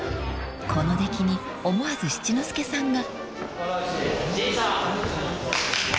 ［この出来に思わず七之助さんが］